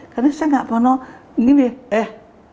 karena saya ga pernah gini eh